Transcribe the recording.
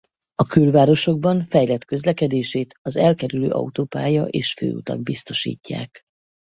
A külvárosokban fejlett közlekedését az elkerülő autópálya és főutak biztosítják.